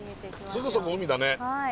すぐそこ海だね。